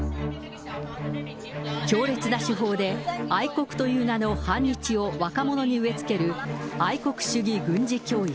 強烈な手法で愛国という名の反日を若者に植え付ける愛国主義軍事教育。